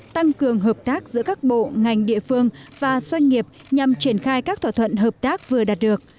tăng cường hợp tác giữa các bộ ngành địa phương và doanh nghiệp nhằm triển khai các thỏa thuận hợp tác vừa đạt được